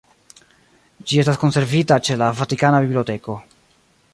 Ĝi estas konservita ĉe la Vatikana Biblioteko.